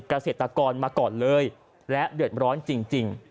เกษตรกรมาก่อนเลยและเดือดร้อนจริง